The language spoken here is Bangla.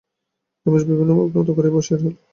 রমেশ বিবর্ণ মুখ নত করিয়া বসিয়া রহিল।